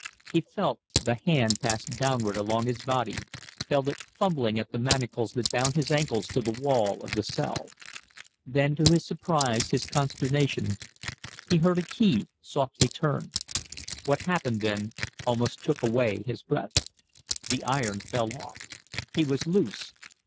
He felt, the hand pass downward along his body, felt it fumbling at the manacles that bound his ankles to the wall of the cell. Then to his surprise, his consternation, he heard a key softly turned. What happened then almost took away his breath. The iron fell off. He was loose!